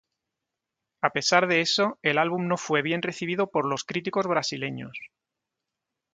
A pesar de eso, el álbum no fue bien recibido por los críticos brasileños.